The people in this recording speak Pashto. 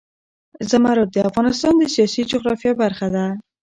زمرد د افغانستان د سیاسي جغرافیه برخه ده.